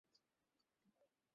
এই দশায় এরা কেবল প্রজনন করে থাকে।